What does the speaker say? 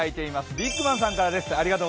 ビッグマンさんからです。